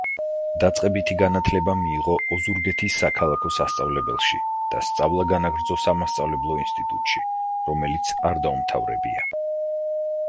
დაწყებითი განათლება მიიღო ოზურგეთის საქალაქო სასწავლებელში და სწავლა განაგრძო სამასწავლებლო ინსტიტუში, რომელიც არ დაუმთავრებია.